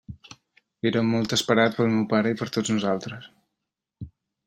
Era molt esperat pel meu pare i per tots nosaltres.